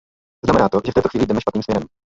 Znamená to, že v této chvíli jdeme špatným směrem.